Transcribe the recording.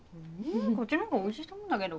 こっちの方が美味しいと思うんだけど。